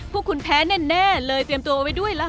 พวกคุณแพ้แน่เลยเตรียมตัวไว้ด้วยละ